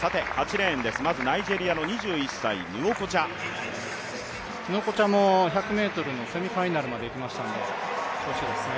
８レーン、ナイジェリアの２１歳ヌウォコチャヌウォコチャも１００ｍのセミファイナルまでいきましたので調子いいですね。